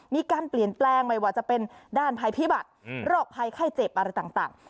มีการเปลี่ยนแปลงไม่ว่าจะเป็นด้านภัยพิบัติโรคภัยไข้เจ็บอะไรต่าง